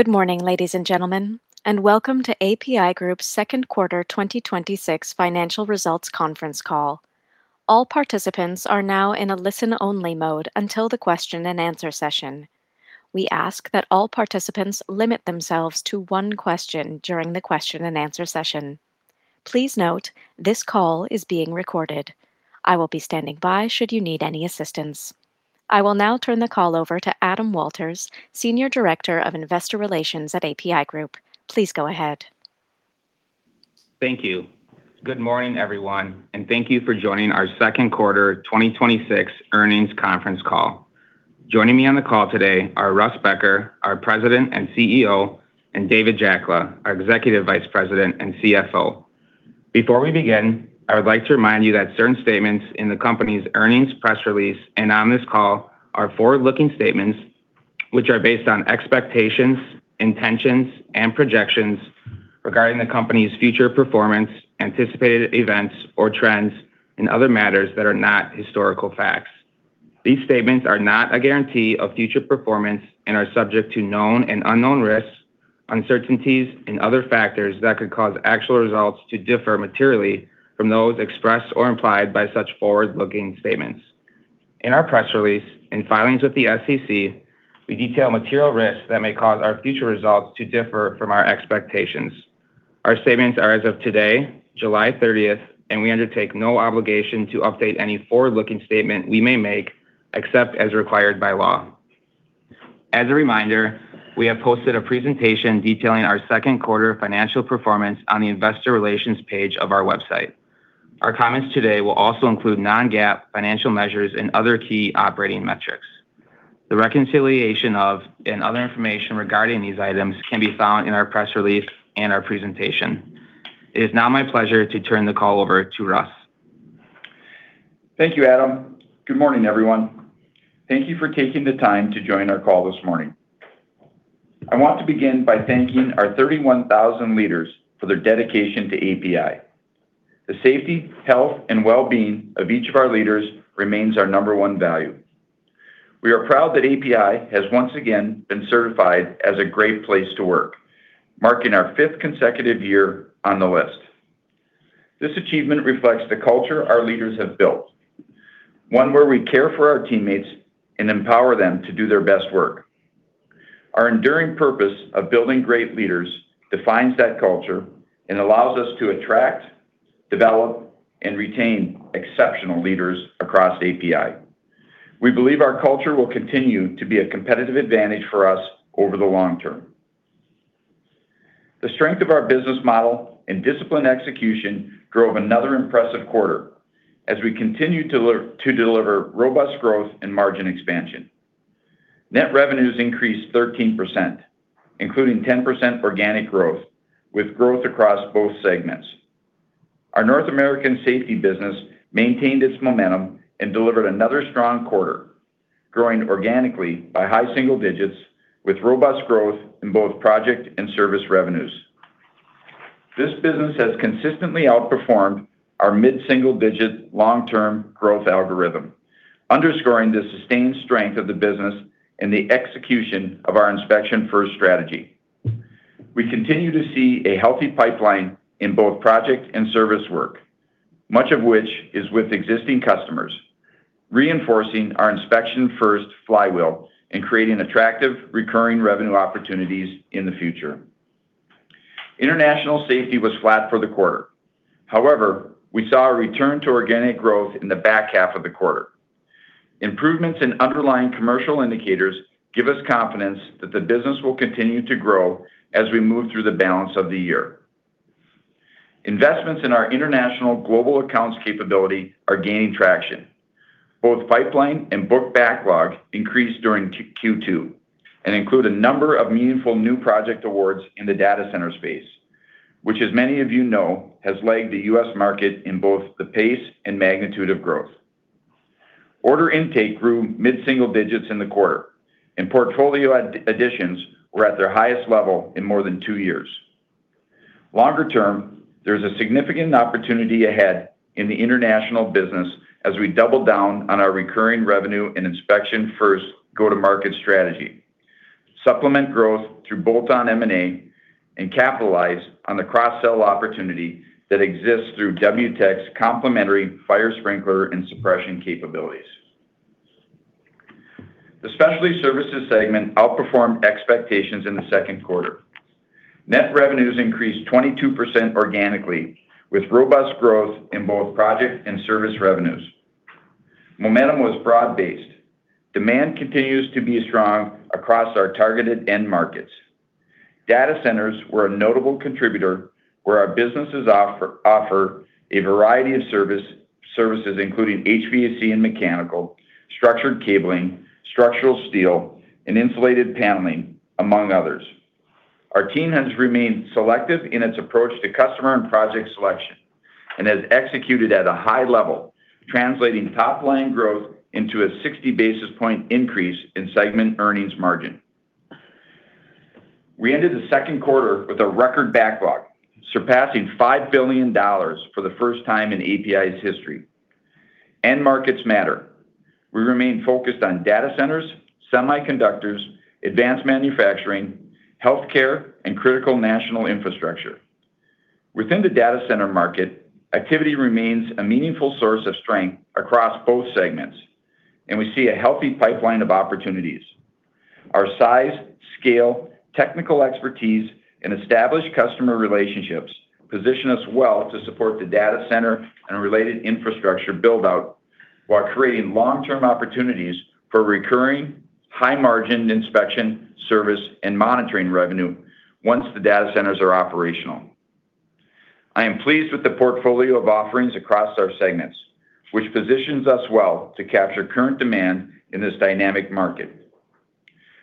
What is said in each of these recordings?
Good morning, ladies and gentlemen, and welcome to APi Group's second quarter 2026 financial results conference call. All participants are now in a listen-only mode until the question-and-answer session. We ask that all participants limit themselves to one question during the question-and-answer session. Please note this call is being recorded. I will be standing by should you need any assistance. I will now turn the call over to Adam Walters, Senior Director of Investor Relations at APi Group. Please go ahead. Thank you. Good morning, everyone, and thank you for joining our second quarter 2026 earnings conference call. Joining me on the call today are Russ Becker, our President and CEO, and David Jackola, our Executive Vice President and CFO. Before we begin, I would like to remind you that certain statements in the company's earnings press release and on this call are forward-looking statements, which are based on expectations, intentions, and projections regarding the company's future performance, anticipated events or trends, and other matters that are not historical facts. These statements are not a guarantee of future performance and are subject to known and unknown risks, uncertainties, and other factors that could cause actual results to differ materially from those expressed or implied by such forward-looking statements. In our press release and filings with the SEC, we detail material risks that may cause our future results to differ from our expectations. Our statements are as of today, July 30th, and we undertake no obligation to update any forward-looking statement we may make except as required by law. As a reminder, we have posted a presentation detailing our second quarter financial performance on the investor relations page of our website. Our comments today will also include non-GAAP financial measures and other key operating metrics. The reconciliation of, and other information regarding these items can be found in our press release and our presentation. It is now my pleasure to turn the call over to Russ. Thank you, Adam. Good morning, everyone. Thank you for taking the time to join our call this morning. I want to begin by thanking our 31,000 leaders for their dedication to APi. The safety, health, and wellbeing of each of our leaders remains our number one value. We are proud that APi has once again been certified as a Great Place to Work, marking our fifth consecutive year on the list. This achievement reflects the culture our leaders have built, one where we care for our teammates and empower them to do their best work. Our enduring purpose of building great leaders defines that culture and allows us to attract, develop, and retain exceptional leaders across APi. We believe our culture will continue to be a competitive advantage for us over the long term. The strength of our business model and disciplined execution drove another impressive quarter as we continue to deliver robust growth and margin expansion. Net revenues increased 13%, including 10% organic growth, with growth across both segments. Our North American Safety Services business maintained its momentum and delivered another strong quarter, growing organically by high single digits with robust growth in both project and service revenues. This business has consistently outperformed our mid-single digit long-term growth algorithm, underscoring the sustained strength of the business and the execution of our Inspection First strategy. We continue to see a healthy pipeline in both project and service work, much of which is with existing customers, reinforcing our Inspection First flywheel and creating attractive recurring revenue opportunities in the future. International Safety Services was flat for the quarter. We saw a return to organic growth in the back half of the quarter. Improvements in underlying commercial indicators give us confidence that the business will continue to grow as we move through the balance of the year. Investments in our international global accounts capability are gaining traction. Both pipeline and book backlog increased during Q2 and include a number of meaningful new project awards in the data center space, which, as many of you know, has lagged the U.S. market in both the pace and magnitude of growth. Order intake grew mid-single digits in the quarter, and portfolio additions were at their highest level in more than two years. Longer term, there's a significant opportunity ahead in the international business as we double down on our recurring revenue and Inspection First go-to-market strategy, supplement growth through bolt-on M&A, and capitalize on the cross-sell opportunity that exists through WTech's complementary fire sprinkler and suppression capabilities. The Specialty Services segment outperformed expectations in the second quarter. Net revenues increased 22% organically, with robust growth in both project and service revenues. Momentum was broad-based. Demand continues to be strong across our targeted end markets. Data centers were a notable contributor, where our businesses offer a variety of services, including HVAC and mechanical, structured cabling, structural steel, and insulated paneling, among others. Our team has remained selective in its approach to customer and project selection and has executed at a high level, translating top-line growth into a 60-basis point increase in segment earnings margin. We ended the second quarter with a record backlog, surpassing $5 billion for the first time in APi's history. End markets matter. We remain focused on data centers, semiconductors, advanced manufacturing, healthcare, and critical national infrastructure. Within the data center market, activity remains a meaningful source of strength across both segments, and we see a healthy pipeline of opportunities. Our size, scale, technical expertise, and established customer relationships position us well to support the data center and related infrastructure build-out while creating long-term opportunities for recurring high-margin inspection, service, and monitoring revenue once the data centers are operational. I am pleased with the portfolio of offerings across our segments, which positions us well to capture current demand in this dynamic market.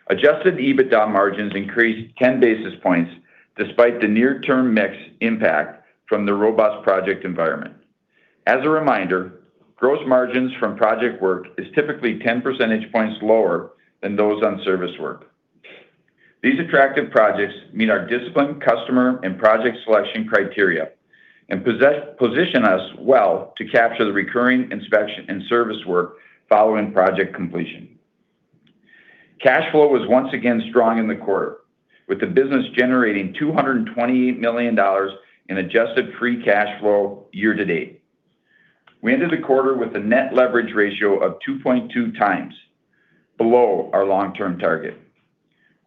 Adjusted EBITDA margins increased 10 basis points despite the near-term mix impact from the robust project environment. As a reminder, gross margins from project work is typically 10 percentage points lower than those on service work. These attractive projects meet our disciplined customer and project selection criteria and position us well to capture the recurring inspection and service work following project completion. Cash flow was once again strong in the quarter, with the business generating $228 million in adjusted free cash flow year to date. We ended the quarter with a net leverage ratio of 2.2 times, below our long-term target.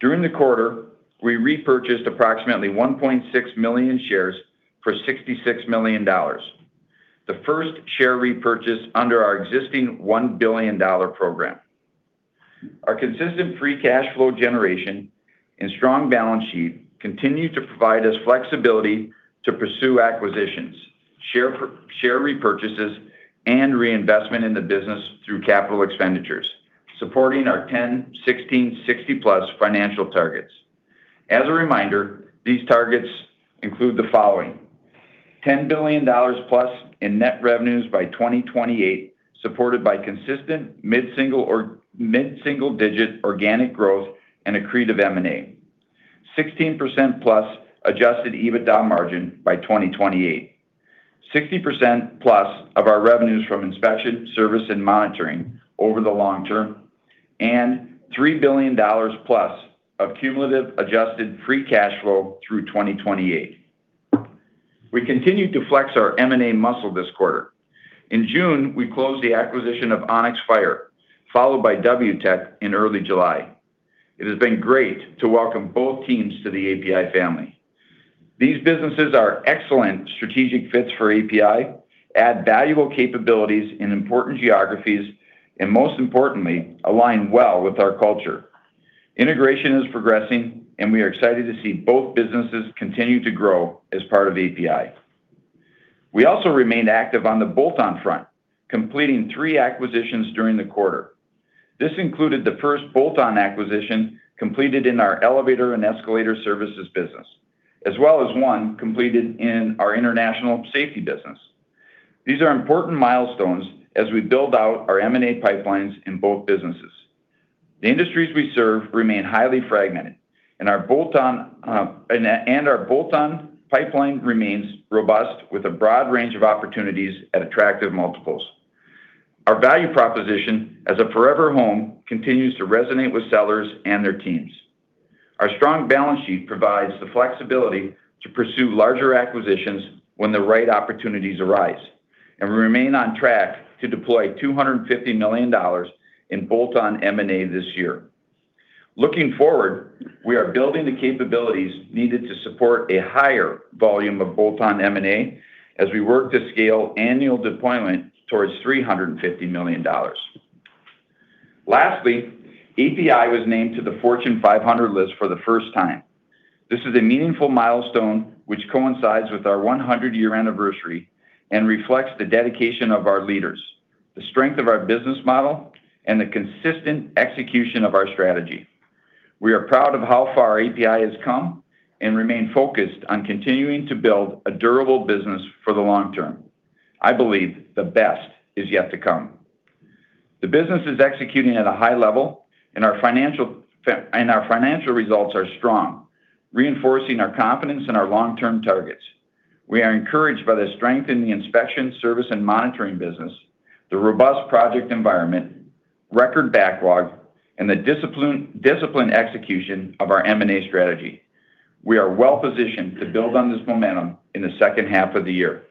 During the quarter, we repurchased approximately 1.6 million shares for $66 million, the first share repurchase under our existing $1 billion program. Our consistent free cash flow generation and strong balance sheet continue to provide us flexibility to pursue acquisitions, share repurchases, and reinvestment in the business through capital expenditures, supporting our 10/16/60+ financial targets. As a reminder, these targets include the following: $10 billion+ in net revenues by 2028, supported by consistent mid-single-digit organic growth and accretive M&A; 16%+ adjusted EBITDA margin by 2028; 60%+ of our revenues from inspection, service, and monitoring over the long term; and $3 billion+ of cumulative adjusted free cash flow through 2028. We continued to flex our M&A muscle this quarter. In June, we closed the acquisition of Onyx-Fire, followed by WTech in early July. It has been great to welcome both teams to the APi family. These businesses are excellent strategic fits for APi, add valuable capabilities in important geographies, and most importantly, align well with our culture. Integration is progressing, and we are excited to see both businesses continue to grow as part of APi. We also remained active on the bolt-on front, completing three acquisitions during the quarter. This included the first bolt-on acquisition completed in our elevator and escalator services business, as well as one completed in our international safety business. These are important milestones as we build out our M&A pipelines in both businesses. The industries we serve remain highly fragmented, and our bolt-on pipeline remains robust with a broad range of opportunities at attractive multiples. Our value proposition as a forever home continues to resonate with sellers and their teams. Our strong balance sheet provides the flexibility to pursue larger acquisitions when the right opportunities arise, and we remain on track to deploy $250 million in bolt-on M&A this year. Looking forward, we are building the capabilities needed to support a higher volume of bolt-on M&A as we work to scale annual deployment towards $350 million. Lastly, APi was named to the Fortune 500 list for the first time. This is a meaningful milestone, which coincides with our 100-year anniversary and reflects the dedication of our leaders, the strength of our business model, and the consistent execution of our strategy. We are proud of how far APi has come and remain focused on continuing to build a durable business for the long term. I believe the best is yet to come. The business is executing at a high level, and our financial results are strong, reinforcing our confidence in our long-term targets. We are encouraged by the strength in the inspection, service, and monitoring business, the robust project environment, record backlog, and the disciplined execution of our M&A strategy. We are well-positioned to build on this momentum in the second half of the year.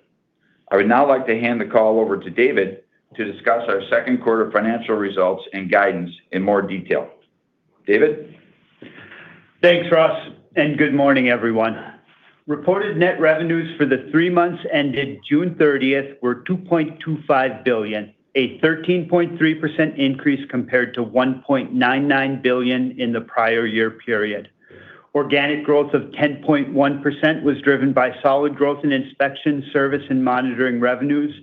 I would now like to hand the call over to David to discuss our second quarter financial results and guidance in more detail. David? Thanks, Russ, and good morning, everyone. Reported net revenues for the three months ended June 30th were $2.25 billion, a 13.3% increase compared to $1.99 billion in the prior year period. Organic growth of 10.1% was driven by solid growth in inspection, service, and monitoring revenues,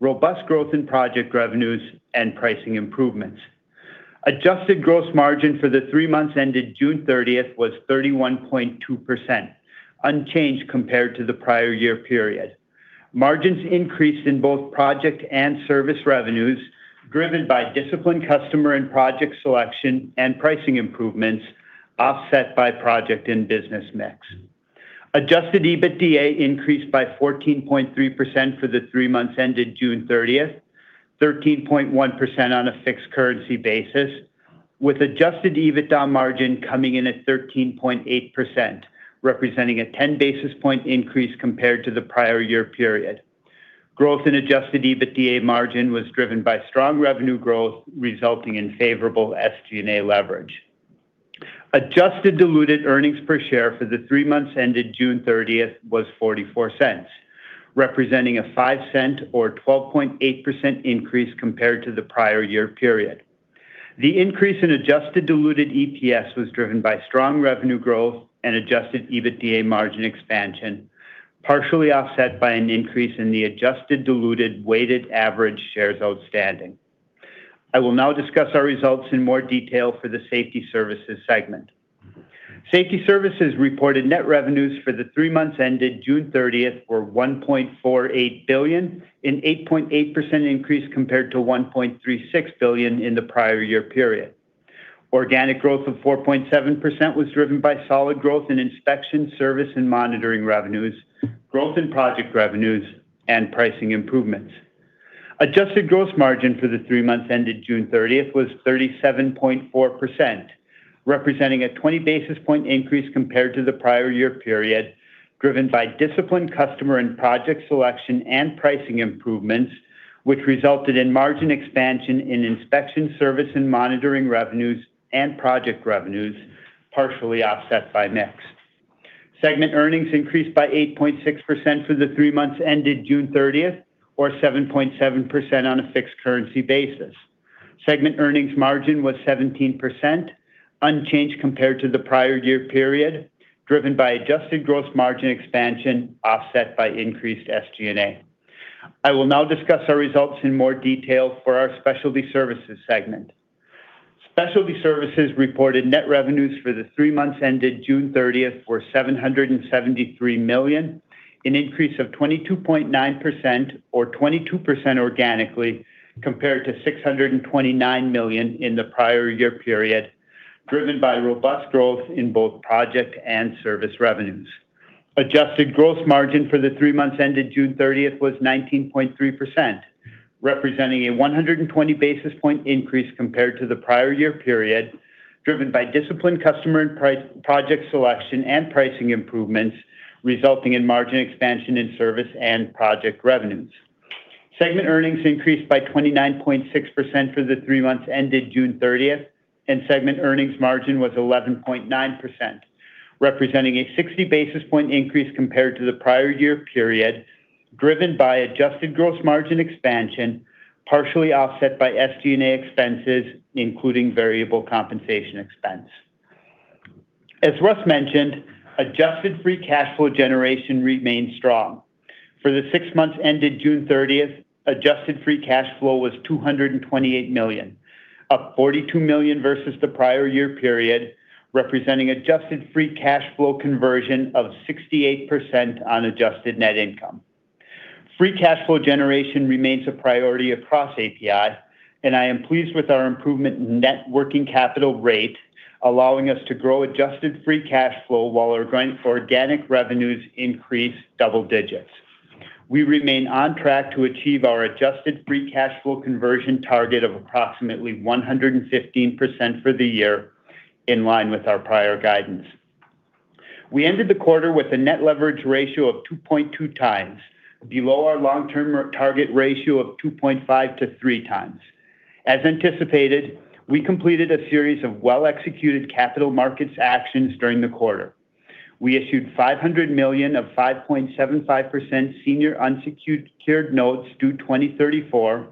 robust growth in project revenues, and pricing improvements. Adjusted gross margin for the three months ended June 30th was 31.2%, unchanged compared to the prior year period. Margins increased in both project and service revenues, driven by disciplined customer and project selection and pricing improvements, offset by project and business mix. Adjusted EBITDA increased by 14.3% for the three months ended June 30th, 13.1% on a fixed currency basis, with adjusted EBITDA margin coming in at 13.8%, representing a 10-basis point increase compared to the prior year period. Growth in adjusted EBITDA margin was driven by strong revenue growth, resulting in favorable SG&A leverage. Adjusted diluted earnings per share for the three months ended June 30th was $0.44, representing a $0.05 or 12.8% increase compared to the prior year period. The increase in adjusted diluted EPS was driven by strong revenue growth and adjusted EBITDA margin expansion, partially offset by an increase in the adjusted diluted weighted average shares outstanding. I will now discuss our results in more detail for the Safety Services segment. Safety Services reported net revenues for the three months ended June 30th were $1.48 billion, an 8.8% increase compared to $1.36 billion in the prior year period. Organic growth of 4.7% was driven by solid growth in inspection, service, and monitoring revenues, growth in project revenues, and pricing improvements. Adjusted gross margin for the three months ended June 30th was 37.4%, representing a 20-basis point increase compared to the prior year period, driven by disciplined customer and project selection and pricing improvements, which resulted in margin expansion in inspection, service, and monitoring revenues and project revenues, partially offset by mix. Segment earnings increased by 8.6% for the three months ended June 30th, or 7.7% on a fixed currency basis. Segment earnings margin was 17%, unchanged compared to the prior year period, driven by adjusted gross margin expansion offset by increased SG&A. I will now discuss our results in more detail for our Specialty Services segment. Specialty Services reported net revenues for the three months ended June 30th were $773 million, an increase of 22.9%, or 22% organically, compared to $629 million in the prior year period, driven by robust growth in both project and service revenues. Adjusted gross margin for the three months ended June 30th was 19.3%, representing a 120-basis point increase compared to the prior year period, driven by disciplined customer and project selection and pricing improvements, resulting in margin expansion in service and project revenues. Segment earnings increased by 29.6% for the three months ended June 30th, and segment earnings margin was 11.9%, representing a 60-basis point increase compared to the prior year period, driven by adjusted gross margin expansion, partially offset by SG&A expenses, including variable compensation expense. As Russ mentioned, adjusted free cash flow generation remained strong. For the six months ended June 30th, adjusted free cash flow was $228 million, up $42 million versus the prior year period, representing adjusted free cash flow conversion of 68% on adjusted net income. Free cash flow generation remains a priority across APi, and I am pleased with our improvement in net working capital rate, allowing us to grow adjusted free cash flow while our organic revenues increase double digits. We remain on track to achieve our adjusted free cash flow conversion target of approximately 115% for the year, in line with our prior guidance. We ended the quarter with a net leverage ratio of 2.2x, below our long-term target ratio of 2.5x to 3x. As anticipated, we completed a series of well-executed capital markets actions during the quarter. We issued $500 million of 5.75% senior unsecured notes due 2034,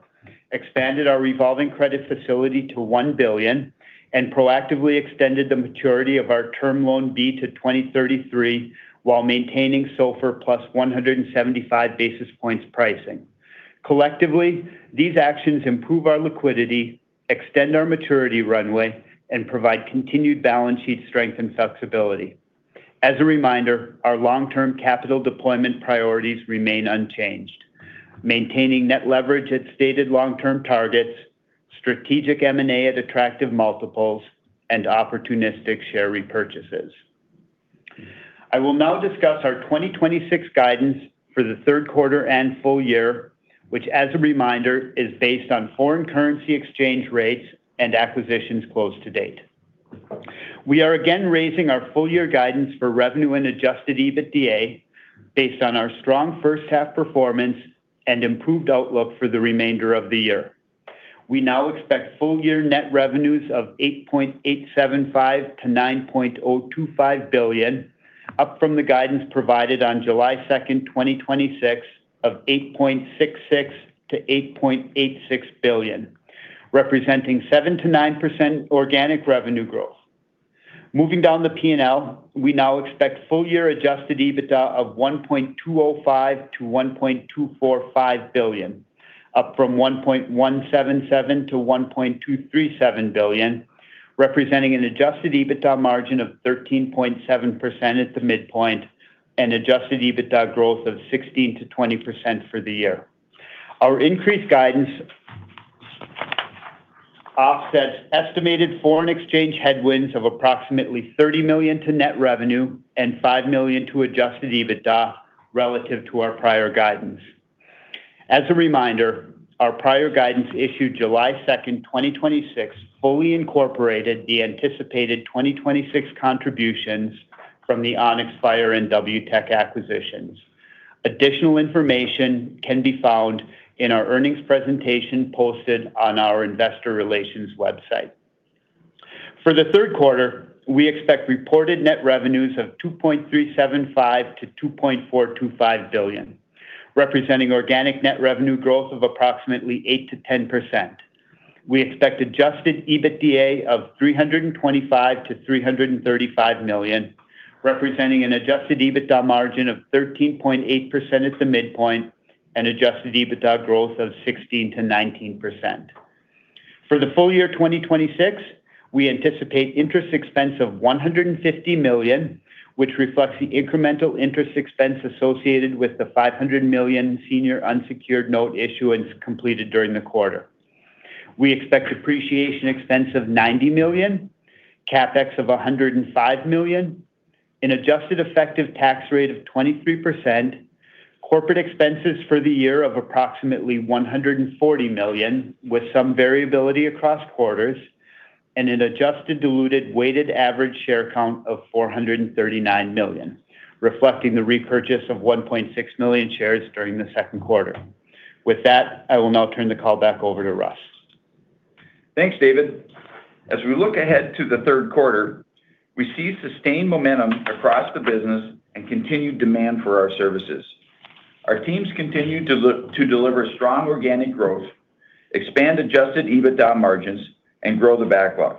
expanded our revolving credit facility to $1 billion, and proactively extended the maturity of our Term Loan B to 2033 while maintaining SOFR plus 175 basis points pricing. Collectively, these actions improve our liquidity, extend our maturity runway, and provide continued balance sheet strength and flexibility. As a reminder, our long-term capital deployment priorities remain unchanged: maintaining net leverage at stated long-term targets, strategic M&A at attractive multiples, and opportunistic share repurchases. I will now discuss our 2026 guidance for the third quarter and full year, which, as a reminder, is based on foreign currency exchange rates and acquisitions close to date. We are again raising our full year guidance for revenue and adjusted EBITDA based on our strong first half performance and improved outlook for the remainder of the year. We now expect full year net revenues of $8.875 billion-$9.025 billion, up from the guidance provided on July 2nd, 2026, of $8.66 billion-$8.86 billion, representing 7%-9% organic revenue growth. Moving down the P&L, we now expect full year adjusted EBITDA of $1.205 billion-$1.245 billion, up from $1.177 billion-$1.237 billion, representing an adjusted EBITDA margin of 13.7% at the midpoint and adjusted EBITDA growth of 16%-20% for the year. Our increased guidance offset estimated foreign exchange headwinds of approximately $30 million to net revenue and $5 million to adjusted EBITDA relative to our prior guidance. As a reminder, our prior guidance issued July 2nd, 2026, fully incorporated the anticipated 2026 contributions from the Onyx-Fire and W-Tech acquisitions. Additional information can be found in our earnings presentation posted on our investor relations website. For the third quarter, we expect reported net revenues of $2.375 billion-$2.425 billion, representing organic net revenue growth of approximately 8%-10%. We expect adjusted EBITDA of $325 million-$335 million, representing an adjusted EBITDA margin of 13.8% at the midpoint and adjusted EBITDA growth of 16%-19%. For the full year 2026, we anticipate interest expense of $150 million, which reflects the incremental interest expense associated with the $500 million senior unsecured note issuance completed during the quarter. We expect depreciation expense of $90 million, CapEx of $105 million, an adjusted effective tax rate of 23%, corporate expenses for the year of approximately $140 million with some variability across quarters, and an adjusted diluted weighted average share count of 439 million, reflecting the repurchase of 1.6 million shares during the second quarter. With that, I will now turn the call back over to Russ. Thanks, David. As we look ahead to the third quarter, we see sustained momentum across the business and continued demand for our services. Our teams continue to deliver strong organic growth, expand adjusted EBITDA margins, and grow the backlog.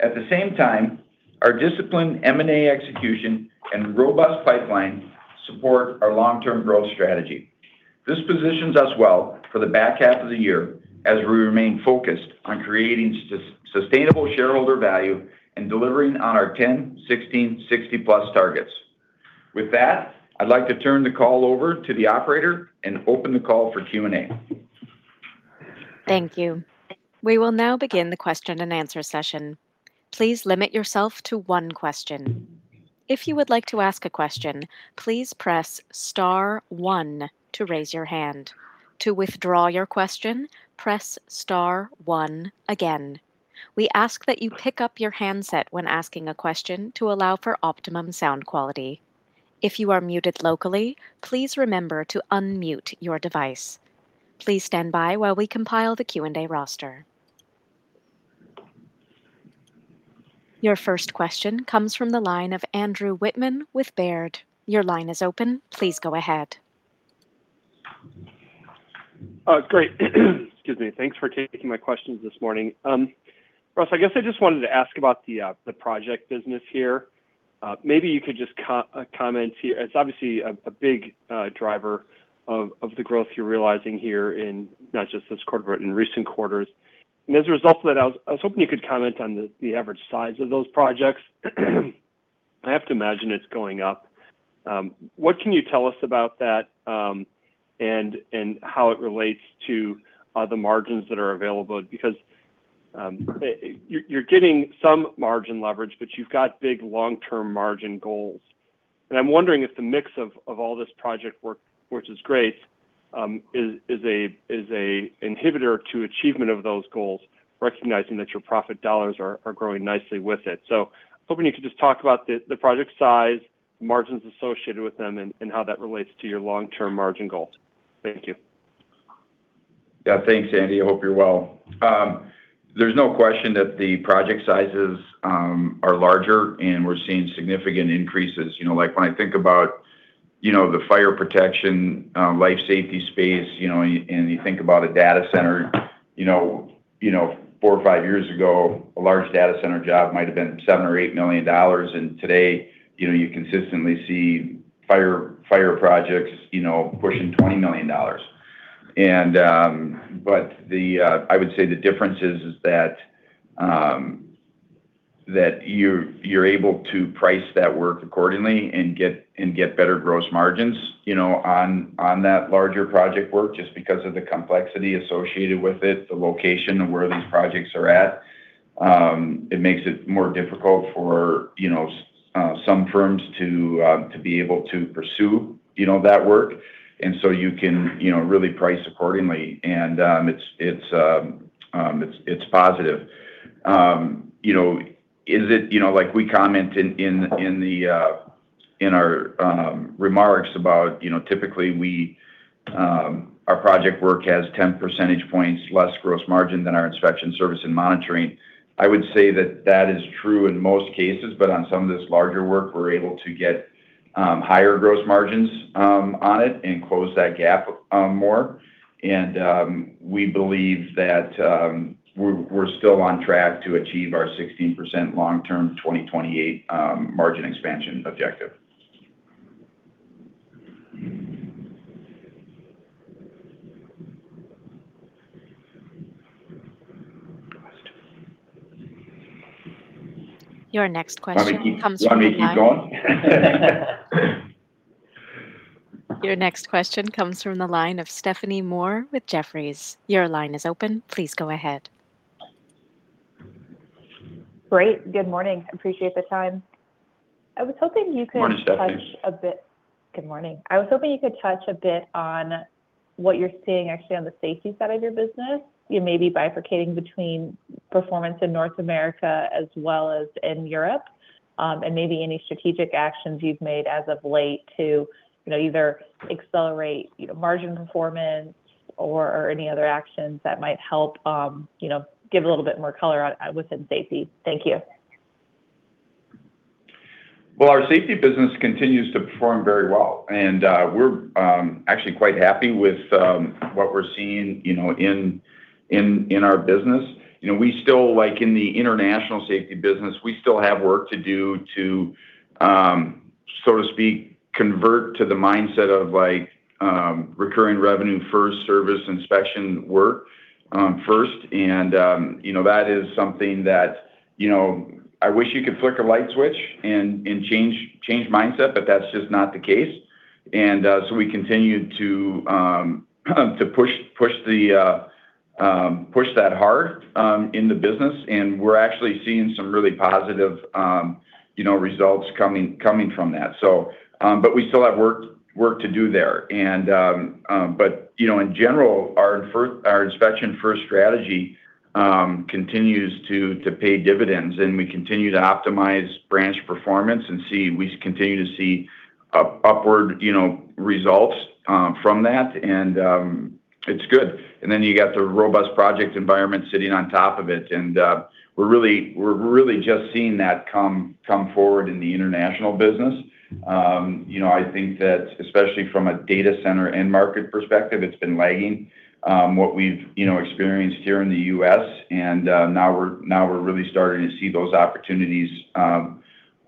At the same time, our disciplined M&A execution and robust pipeline support our long-term growth strategy. This positions us well for the back half of the year as we remain focused on creating sustainable shareholder value and delivering on our 10/16/60+ targets. With that, I'd like to turn the call over to the operator and open the call for Q&A. Thank you. We will now begin the question-and-answer session. Please limit yourself to one question. If you would like to ask a question, please press star one to raise your hand. To withdraw your question, press star one again. We ask that you pick up your handset when asking a question to allow for optimum sound quality. If you are muted locally, please remember to unmute your device. Please stand by while we compile the Q&A roster. Your first question comes from the line of Andrew Wittmann with Baird. Your line is open. Please go ahead. Great. Excuse me. Thanks for taking my questions this morning. Russ, I guess I just wanted to ask about the project business here. Maybe you could just comment here. It's obviously a big driver of the growth you're realizing here in not just this quarter, but in recent quarters. As a result of that, I was hoping you could comment on the average size of those projects. I have to imagine it's going up. What can you tell us about that, and how it relates to the margins that are available? Because you're getting some margin leverage, but you've got big long-term margin goals. I'm wondering if the mix of all this project work, which is great, is a inhibitor to achievement of those goals, recognizing that your profit dollars are growing nicely with it. Hoping you could just talk about the project size, margins associated with them, and how that relates to your long-term margin goals. Thank you. Yeah. Thanks, Andrew. Hope you're well. There's no question that the project sizes are larger, and we're seeing significant increases. When I think about the fire protection, life safety space, and you think about a data center. Four or five years ago, a large data center job might've been $7 million or $8 million. Today, you consistently see fire projects pushing $20 million. I would say the difference is that you're able to price that work accordingly and get better gross margins on that larger project work just because of the complexity associated with it, the location of where these projects are at. It makes it more difficult for some firms to be able to pursue that work, so you can really price accordingly. It's positive. Like we commented in our remarks about typically our project work has 10 percentage points less gross margin than our inspection service and monitoring. I would say that that is true in most cases, but on some of this larger work, we're able to get higher gross margins on it and close that gap more. We believe that we're still on track to achieve our 16% long-term 2028 margin expansion objective. Your next question comes from the line You want me to keep going? Your next question comes from the line of Stephanie Moore with Jefferies. Your line is open. Please go ahead. Great. Good morning. Appreciate the time. I was hoping you could- Morning, Stephanie. Good morning. I was hoping you could touch a bit on what you're seeing actually on the safety side of your business. You may be bifurcating between performance in North America as well as in Europe. Maybe any strategic actions you've made as of late to either accelerate margin performance or any other actions that might help give a little bit more color within safety. Thank you. Our Safety Services business continues to perform very well, we're actually quite happy with what we're seeing in our business. In the international Safety Services business, we still have work to do to, so to speak, convert to the mindset of recurring revenue first, service Inspection First work first. That is something that I wish you could flick a light switch and change mindset, but that's just not the case. We continue to push that hard in the business, we're actually seeing some really positive results coming from that. We still have work to do there. In general, our Inspection First strategy continues to pay dividends, we continue to optimize branch performance, we continue to see upward results from that, it's good. You got the robust project environment sitting on top of it, we're really just seeing that come forward in the international business. I think that especially from a data center end market perspective, it's been lagging what we've experienced here in the U.S., now we're really starting to see those opportunities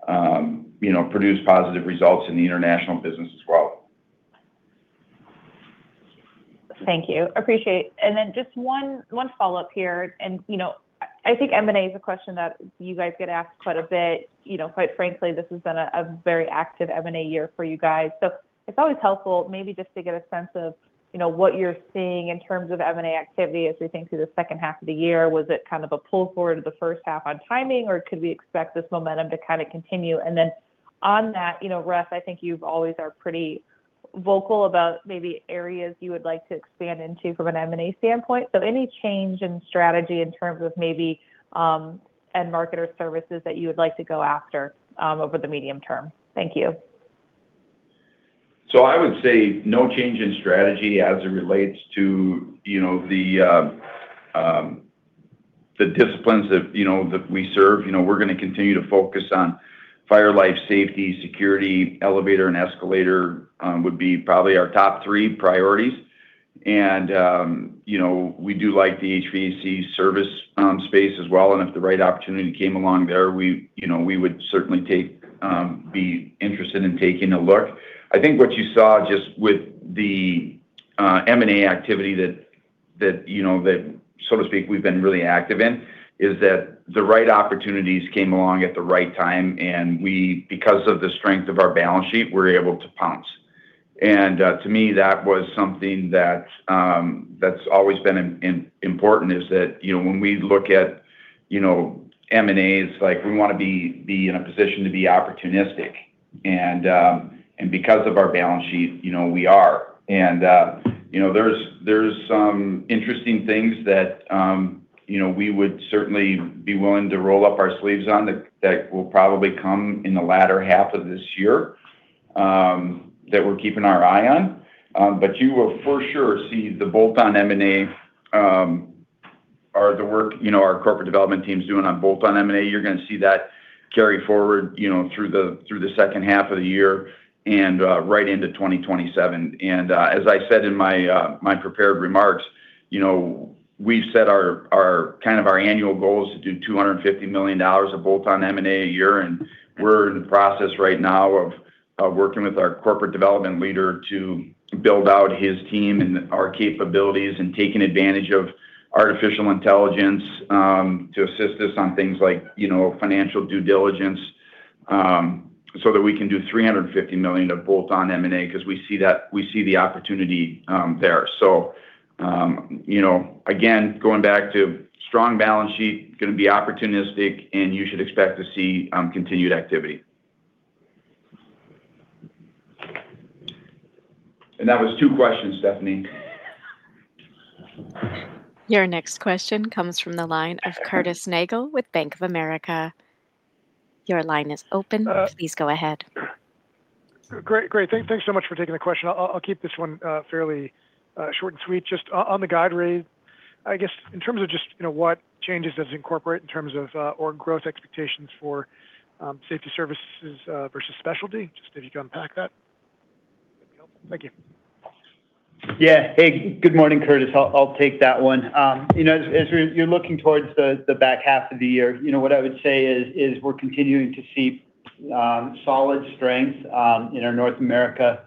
produce positive results in the international business as well. Thank you. Appreciate. Just one follow-up here. I think M&A is a question that you guys get asked quite a bit. Quite frankly, this has been a very active M&A year for you guys. It's always helpful, maybe just to get a sense of what you're seeing in terms of M&A activity as we think through the second half of the year. Was it kind of a pull-forward of the first half on timing, or could we expect this momentum to kind of continue? On that, Russ, I think you always are pretty vocal about maybe areas you would like to expand into from an M&A standpoint. Any change in strategy in terms of maybe end market or services that you would like to go after over the medium term? Thank you. I would say no change in strategy as it relates to the disciplines that we serve. We're going to continue to focus on fire life safety, security, elevator and escalator would be probably our top three priorities. We do like the HVAC service space as well, if the right opportunity came along there, we would certainly be interested in taking a look. I think what you saw just with the M&A activity that, so to speak, we've been really active in, is that the right opportunities came along at the right time, because of the strength of our balance sheet, we're able to pounce. To me, that was something that's always been important is that when we look at M&As, we want to be in a position to be opportunistic. Because of our balance sheet, we are. There's some interesting things that we would certainly be willing to roll up our sleeves on that will probably come in the latter half of this year that we're keeping our eye on. You will for sure see the bolt-on M&A or the work our corporate development team's doing on bolt-on M&A. You're going to see that carry forward through the second half of the year and right into 2027. As I said in my prepared remarks, we've set our annual goal is to do $250 million of bolt-on M&A a year. We're in the process right now of working with our corporate development leader to build out his team and our capabilities and taking advantage of artificial intelligence to assist us on things like financial due diligence so that we can do $350 million of bolt-on M&A because we see the opportunity there. Again, going back to strong balance sheet, going to be opportunistic, and you should expect to see continued activity. That was two questions, Stephanie. Your next question comes from the line of Curtis Nagle with Bank of America. Your line is open. Please go ahead. Great. Thanks so much for taking the question. I'll keep this one fairly short and sweet. Just on the guide raise, I guess in terms of just what changes does it incorporate in terms of org growth expectations for Safety Services versus Specialty Services? Just if you could unpack that'd be helpful. Thank you. Yeah. Hey, good morning, Curtis. I'll take that one. As you're looking towards the back half of the year, what I would say is we're continuing to see solid strength in our North America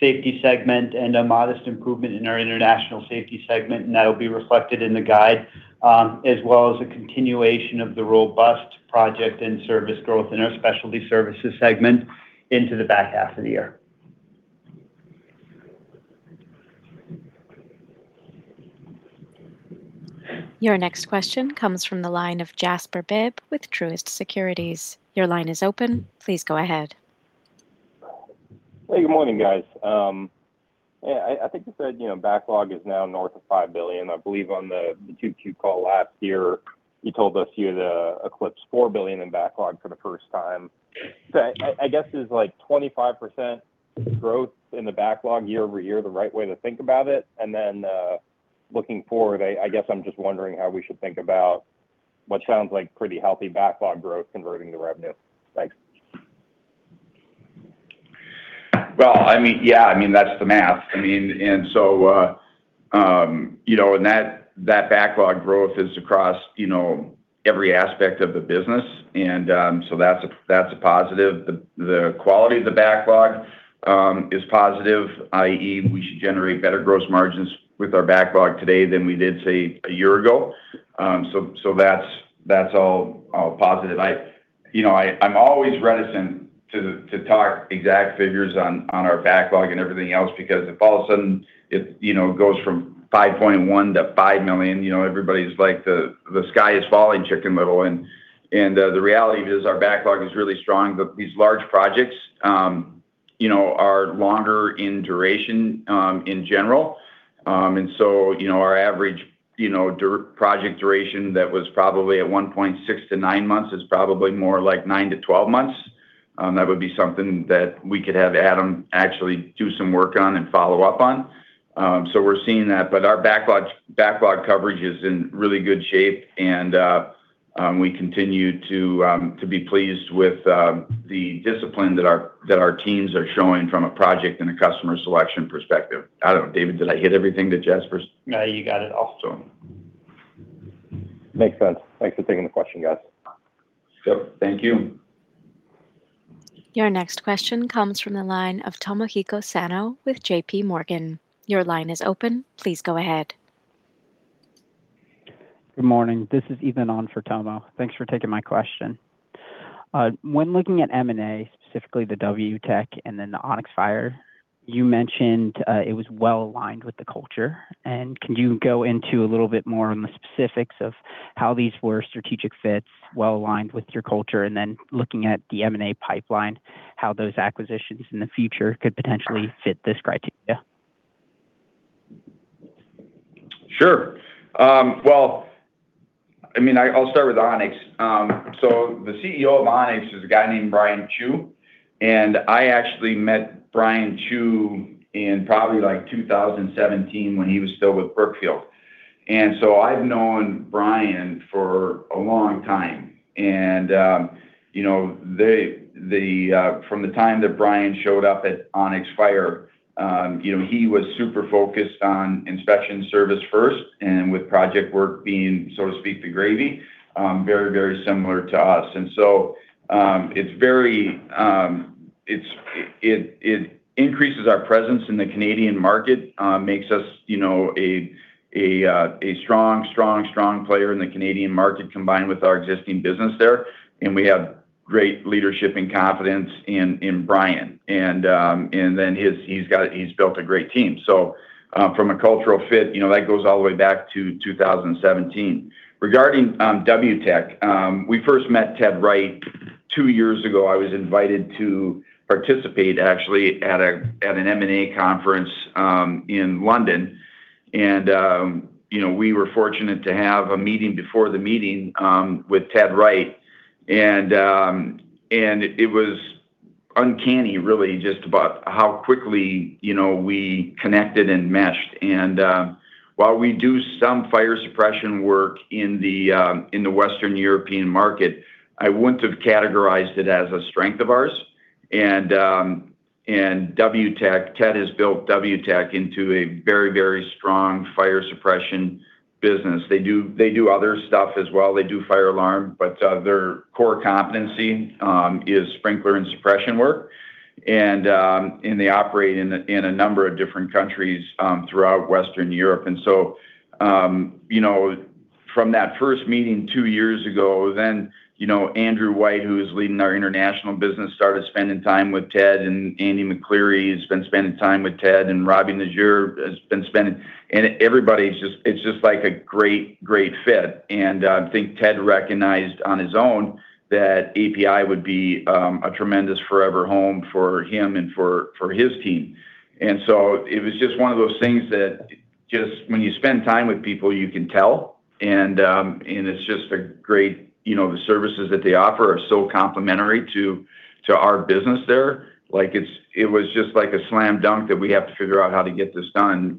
Safety segment and a modest improvement in our international safety segment, and that'll be reflected in the guide, as well as a continuation of the robust project and service growth in our Specialty Services segment into the back half of the year. Your next question comes from the line of Jasper Bibb with Truist Securities. Your line is open. Please go ahead. Hey, good morning, guys. I think you said backlog is now north of $5 billion. I believe on the 2Q call last year, you told us you had eclipsed $4 billion in backlog for the first time. I guess is 25% growth in the backlog year-over-year the right way to think about it? Looking forward, I guess I'm just wondering how we should think about what sounds like pretty healthy backlog growth converting to revenue. Thanks. Well, yeah, that's the math. That backlog growth is across every aspect of the business, that's a positive. The quality of the backlog is positive, i.e., we should generate better gross margins with our backlog today than we did, say, a year ago. That's all positive. I'm always reticent to talk exact figures on our backlog and everything else, because if all of a sudden it goes from $5.1 to $5 million, everybody's like, "The sky is falling, Chicken Little." The reality is our backlog is really strong, but these large projects are longer in duration in general. Our average project duration that was probably at one point six to nine months is probably more like 9 to 12 months. That would be something that we could have Adam actually do some work on and follow up on. We're seeing that, but our backlog coverage is in really good shape, and we continue to be pleased with the discipline that our teams are showing from a project and a customer selection perspective. I don't know, David, did I hit everything that Jasper's? No, you got it all. Awesome. Makes sense. Thanks for taking the question, guys. Yep, thank you. Your next question comes from the line of Tomohiko Sano with J.P. Morgan. Your line is open. Please go ahead. Good morning. This is Ethan on for Tomo. Thanks for taking my question. When looking at M&A, specifically the W-Tech and then the Onyx-Fire, you mentioned it was well-aligned with the culture. Can you go into a little bit more on the specifics of how these were strategic fits, well-aligned with your culture, then looking at the M&A pipeline, how those acquisitions in the future could potentially fit this criteria? Sure. Well, I'll start with Onyx. The CEO of Onyx is a guy named Bryan Chew, I actually met Bryan Chew in probably 2017 when he was still with Brookfield. I've known Bryan for a long time. From the time that Bryan showed up at Onyx-Fire, he was super focused on inspection service first with project work being, so to speak, the gravy, very similar to us. It increases our presence in the Canadian market, makes us a strong player in the Canadian market combined with our existing business there, we have great leadership and confidence in Bryan. He's built a great team. From a cultural fit, that goes all the way back to 2017. Regarding W-Tech, we first met Ted Wright two years ago. I was invited to participate actually at an M&A conference in London. We were fortunate to have a meeting before the meeting with Ted Wright. It was uncanny really just about how quickly we connected and meshed. While we do some fire suppression work in the Western European market, I wouldn't have categorized it as a strength of ours. Ted has built W-Tech into a very strong fire suppression business. They do other stuff as well. They do fire alarm, but their core competency is sprinkler and suppression work, they operate in a number of different countries throughout Western Europe. From that first meeting two years ago, then Andrew White, who is leading our international business, started spending time with Ted, Andy McCleary has been spending time with Ted, Robby Najor has been. Everybody, it's just like a great fit. I think Ted recognized on his own that APi would be a tremendous forever home for him and for his team. It was just one of those things that just when you spend time with people, you can tell. The services that they offer are so complementary to our business there. It was just like a slam dunk that we have to figure out how to get this done.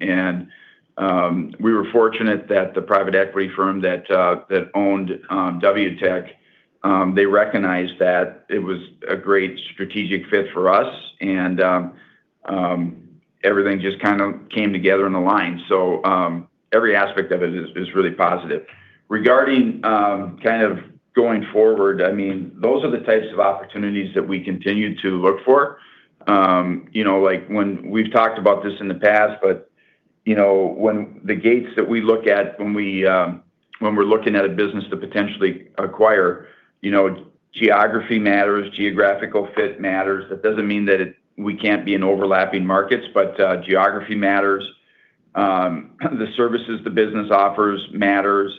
We were fortunate that the private equity firm that owned W-Tech, they recognized that it was a great strategic fit for us. Everything just kind of came together in the line. Every aspect of it is really positive. Regarding kind of going forward, those are the types of opportunities that we continue to look for. We've talked about this in the past. When the gates that we look at when we're looking at a business to potentially acquire, geography matters, geographical fit matters. That doesn't mean that we can't be in overlapping markets, but geography matters. The services the business offers matters.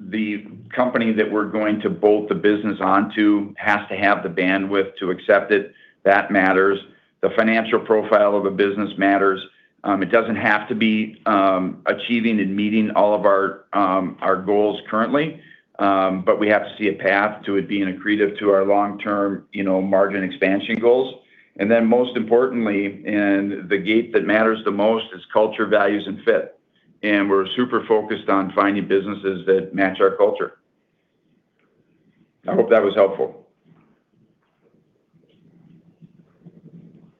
The company that we're going to bolt the business onto has to have the bandwidth to accept it. That matters. The financial profile of a business matters. It doesn't have to be achieving and meeting all of our goals currently, but we have to see a path to it being accretive to our long-term margin expansion goals. Then most importantly, and the gate that matters the most is culture, values, and fit. We're super focused on finding businesses that match our culture. I hope that was helpful.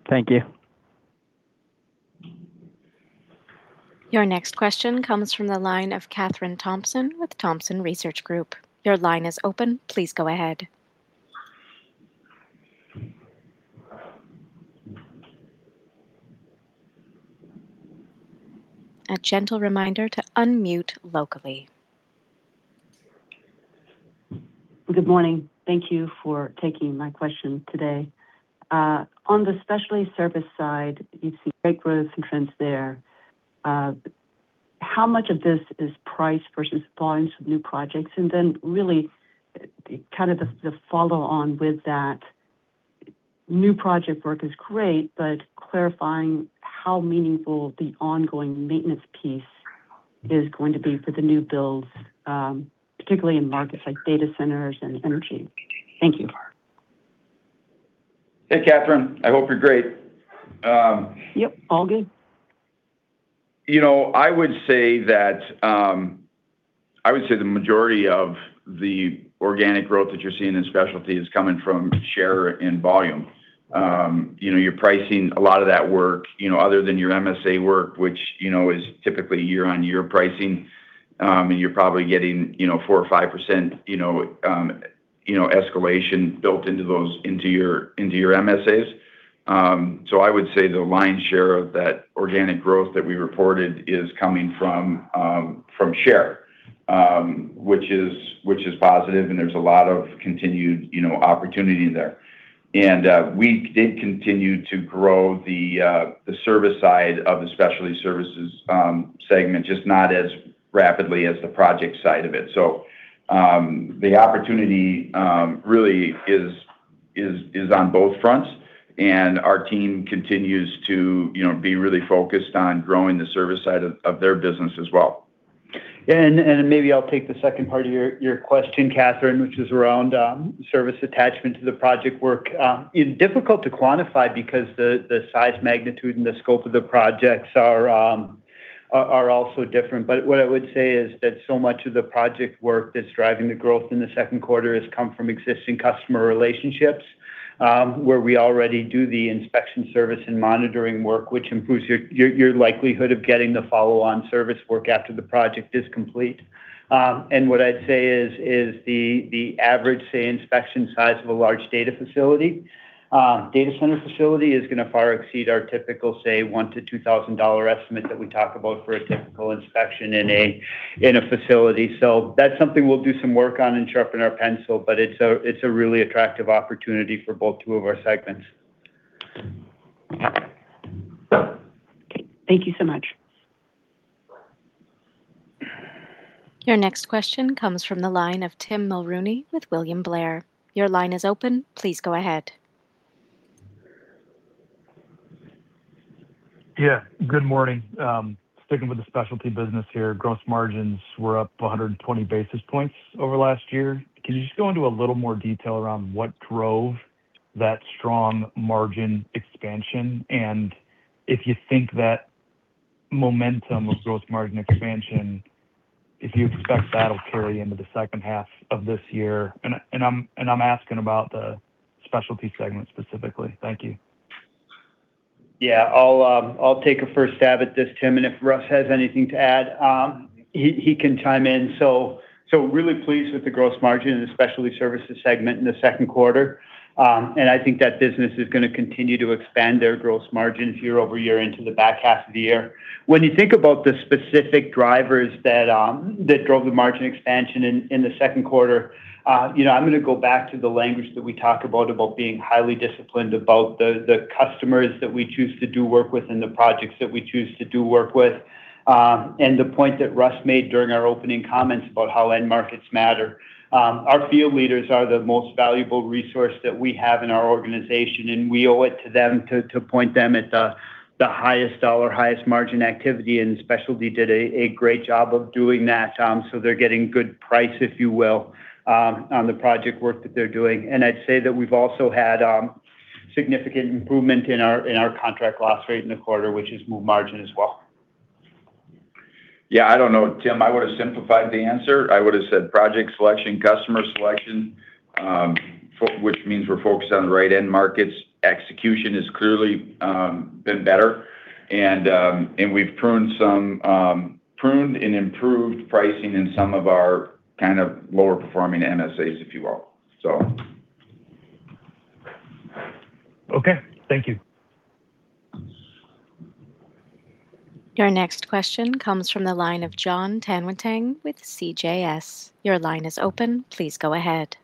Thank you. Your next question comes from the line of Kathryn Thompson with Thompson Research Group. Your line is open. Please go ahead. A gentle reminder to unmute locally. Good morning. Thank you for taking my question today. On the Specialty Services side, you see great growth and trends there. How much of this is price versus volumes of new projects? Really, the follow on with that, new project work is great, but clarifying how meaningful the ongoing maintenance piece is going to be for the new builds, particularly in markets like data centers and energy. Thank you. Hey, Kathryn. I hope you're great. Yep, all good. I would say the majority of the organic growth that you're seeing in Specialty is coming from share and volume. Your pricing, a lot of that work, other than your MSA work, which is typically year-on-year pricing, you're probably getting 4% or 5% escalation built into your MSAs. I would say the lion's share of that organic growth that we reported is coming from share, which is positive, and there's a lot of continued opportunity there. We did continue to grow the service side of the Specialty Services segment, just not as rapidly as the project side of it. The opportunity really is on both fronts, and our team continues to be really focused on growing the service side of their business as well. Yeah, maybe I'll take the second part of your question, Kathryn, which is around service attachment to the project work. Difficult to quantify because the size, magnitude, and the scope of the projects are all so different. What I would say is that so much of the project work that's driving the growth in the second quarter has come from existing customer relationships, where we already do the Inspection service and monitoring work, which improves your likelihood of getting the follow-on service work after the project is complete. What I'd say is the average, say, inspection size of a large data center facility is going to far exceed our typical, say, $1,000-$2,000 estimate that we talk about for a typical inspection in a facility. That's something we'll do some work on and sharpen our pencil, but it's a really attractive opportunity for both two of our segments. Okay. Thank you so much. Your next question comes from the line of Tim Mulrooney with William Blair. Your line is open. Please go ahead. Yeah. Good morning. Sticking with the Specialty Services business here, gross margins were up 120 basis points over last year. Can you just go into a little more detail around what drove that strong margin expansion? If you think that momentum of gross margin expansion, if you expect that'll carry into the second half of this year? I'm asking about the Specialty Services segment specifically. Thank you. Yeah. I'll take a first stab at this, Tim, and if Russ has anything to add, he can chime in. Really pleased with the gross margin and the Specialty Services segment in the second quarter. I think that business is going to continue to expand their gross margins year-over-year into the back half of the year. When you think about the specific drivers that drove the margin expansion in the second quarter, I'm going to go back to the language that we talked about being highly disciplined, about the customers that we choose to do work with and the projects that we choose to do work with, and the point that Russ made during our opening comments about how end markets matter. Our field leaders are the most valuable resource that we have in our organization, and we owe it to them to point them at the highest dollar, highest margin activity, and Specialty Services did a great job of doing that. They're getting good price, if you will, on the project work that they're doing. I'd say that we've also had significant improvement in our contract loss rate in the quarter, which has moved margin as well. Yeah, I don't know, Tim, I would have simplified the answer. I would have said project selection, customer selection, which means we're focused on the right end markets. Execution has clearly been better, and we've pruned and improved pricing in some of our lower performing MSAs, if you will. Okay. Thank you. Your next question comes from the line of Jon Tanwanteng with CJS. Your line is open. Please go ahead.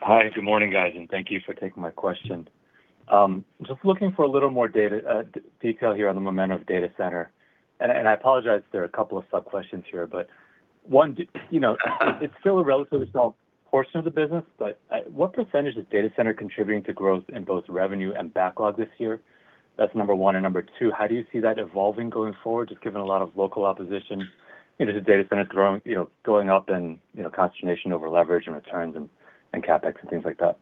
Hi. Good morning, guys, and thank you for taking my question. Just looking for a little more detail here on the momentum of data center. I apologize if there are a couple of sub-questions here. One, it's still a relatively small portion of the business, but what percentage is data center contributing to growth in both revenue and backlog this year? That's number one. Number two, how do you see that evolving going forward, just given a lot of local opposition into the data center going up and consternation over leverage and returns and CapEx and things like that?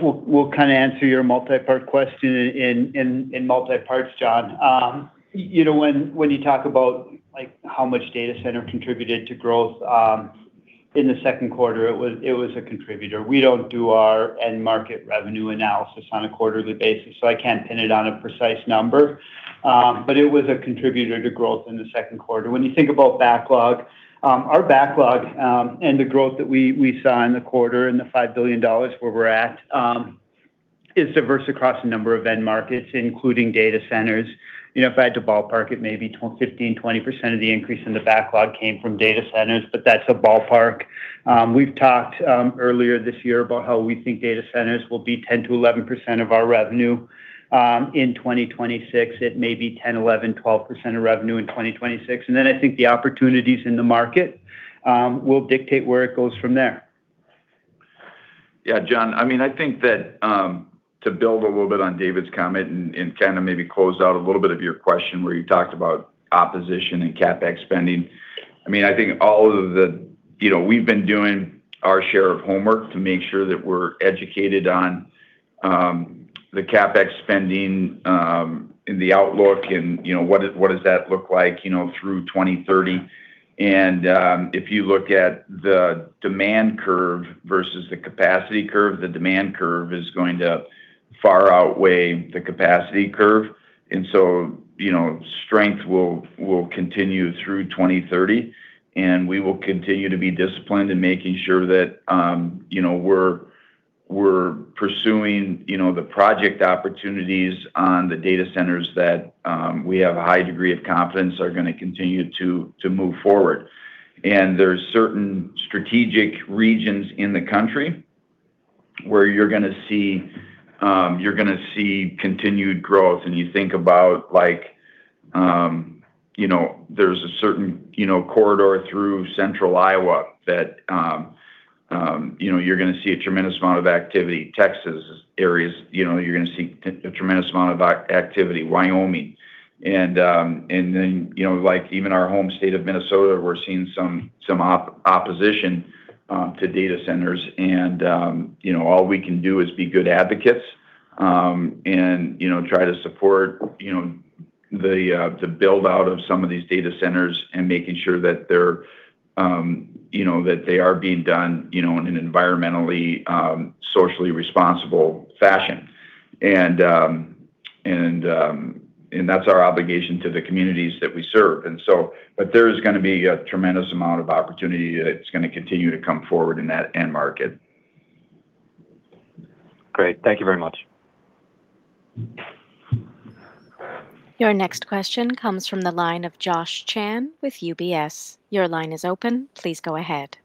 We'll answer your multi-part question in multi parts, Jon. When you talk about how much data center contributed to growth in the second quarter, it was a contributor. We don't do our end market revenue analysis on a quarterly basis, so I can't pin it on a precise number. It was a contributor to growth in the second quarter. When you think about backlog, our backlog and the growth that we saw in the quarter and the $5 billion where we're at is diverse across a number of end markets, including data centers. If I had to ballpark it, maybe 15%-20% of the increase in the backlog came from data centers, but that's a ballpark. We've talked earlier this year about how we think data centers will be 10%-11% of our revenue in 2026. It may be 10%, 11%, 12% of revenue in 2026. I think the opportunities in the market will dictate where it goes from there. Yeah, Jon, I think that to build a little bit on David's comment and maybe close out a little bit of your question where you talked about opposition and CapEx spending. I think we've been doing our share of homework to make sure that we're educated on the CapEx spending in the outlook and what does that look like through 2030. If you look at the demand curve versus the capacity curve, the demand curve is going to far outweigh the capacity curve. So strength will continue through 2030, and we will continue to be disciplined in making sure that we're pursuing the project opportunities on the data centers that we have a high degree of confidence are going to continue to move forward. There's certain strategic regions in the country where you're going to see continued growth. You think about there's a certain corridor through central Iowa that you're going to see a tremendous amount of activity. Texas areas, you're going to see a tremendous amount of activity. Wyoming. Even our home state of Minnesota, we're seeing some opposition to data centers. All we can do is be good advocates and try to support the build-out of some of these data centers and making sure that they are being done in an environmentally, socially responsible fashion. That's our obligation to the communities that we serve. There's going to be a tremendous amount of opportunity that's going to continue to come forward in that end market. Great. Thank you very much. Your next question comes from the line of Josh Chan with UBS. Your line is open. Please go ahead.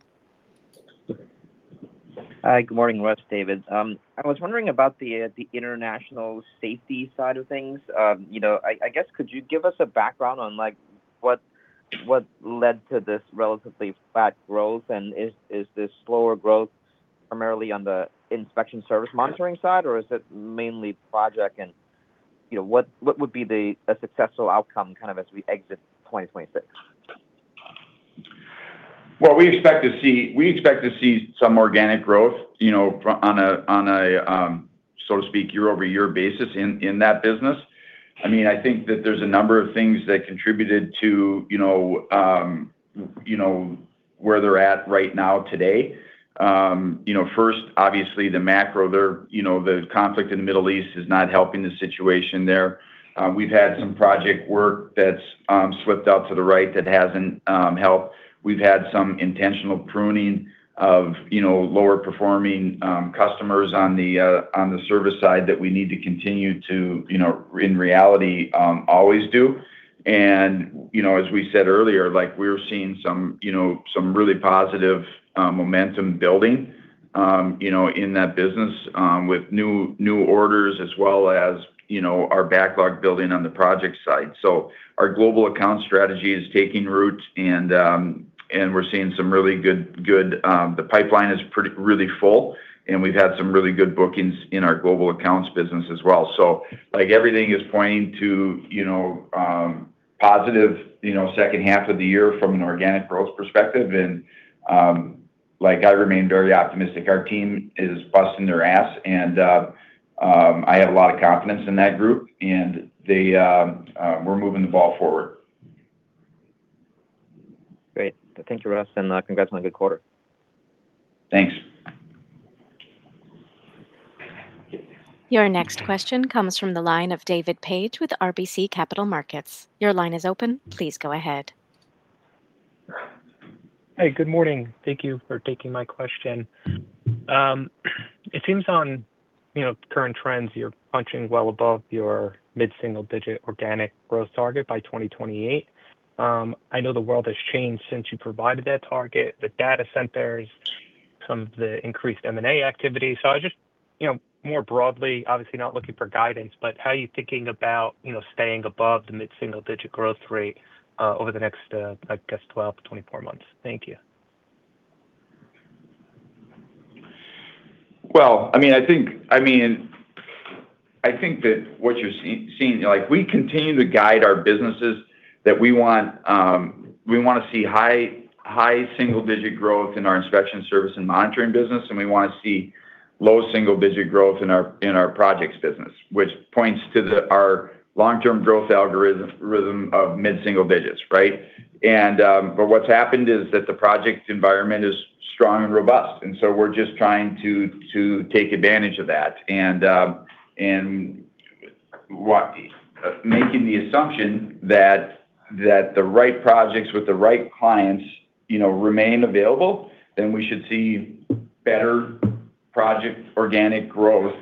Hi. Good morning, Russ, David. I was wondering about the international safety side of things. I guess, could you give us a background on what led to this relatively flat growth? Is this slower growth primarily on the inspection service monitoring side, or is it mainly project? What would be a successful outcome as we exit 2026? Well, we expect to see some organic growth on a, so to speak, year-over-year basis in that business. I think that there's a number of things that contributed to where they're at right now today. First, obviously the macro. The conflict in the Middle East is not helping the situation there. We've had some project work that's slipped out to the right that hasn't helped. We've had some intentional pruning of lower performing customers on the service side that we need to continue to, in reality, always do. As we said earlier, we're seeing some really positive momentum building in that business with new orders as well as our backlog building on the project side. Our global account strategy is taking root, and we're seeing some really good. The pipeline is really full, and we've had some really good bookings in our global accounts business as well. Everything is pointing to positive second half of the year from an organic growth perspective. I remain very optimistic. Our team is busting their ass, and I have a lot of confidence in that group, and we're moving the ball forward. Great. Thank you, Russ, and congrats on a good quarter. Thanks. Your next question comes from the line of David Paige with RBC Capital Markets. Your line is open. Please go ahead. Hey, good morning. Thank you for taking my question. It seems on current trends, you're punching well above your mid-single digit organic growth target by 2028. I know the world has changed since you provided that target, the data centers, some of the increased M&A activity. I just more broadly, obviously not looking for guidance, but how are you thinking about staying above the mid-single digit growth rate over the next, I guess, 12 to 24 months? Thank you. Well, I think that what you're seeing, we continue to guide our businesses that we want to see high single digit growth in our inspection service and monitoring business, and we want to see low single digit growth in our projects business, which points to our long-term growth algorithm of mid-single digits, right? What's happened is that the project environment is strong and robust, and so we're just trying to take advantage of that. Making the assumption that the right projects with the right clients remain available, then we should see better project organic growth,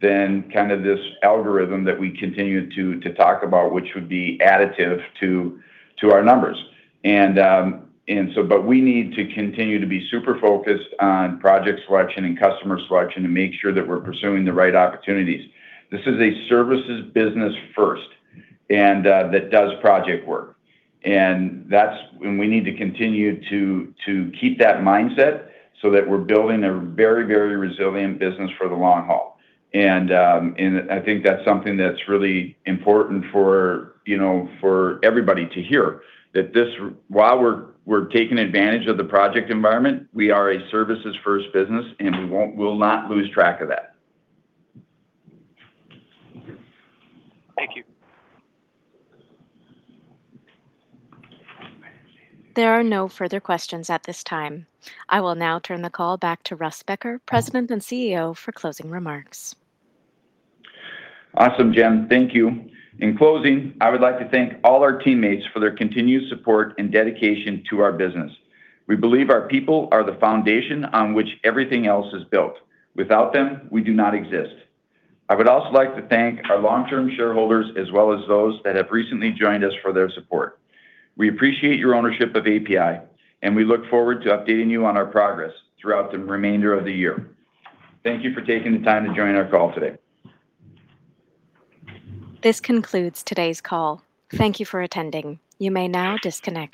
than this algorithm that we continue to talk about, which would be additive to our numbers. We need to continue to be super focused on project selection and customer selection to make sure that we're pursuing the right opportunities. This is a services business first, and that does project work. We need to continue to keep that mindset so that we're building a very resilient business for the long haul. I think that's something that's really important for everybody to hear. That while we're taking advantage of the project environment, we are a services first business, and we will not lose track of that. Thank you. There are no further questions at this time. I will now turn the call back to Russ Becker, President and CEO, for closing remarks. Awesome, Jen. Thank you. In closing, I would like to thank all our teammates for their continued support and dedication to our business. We believe our people are the foundation on which everything else is built. Without them, we do not exist. I would also like to thank our long-term shareholders as well as those that have recently joined us for their support. We appreciate your ownership of APi, and we look forward to updating you on our progress throughout the remainder of the year. Thank you for taking the time to join our call today. This concludes today's call. Thank you for attending. You may now disconnect.